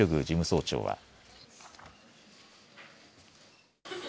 事務総長は。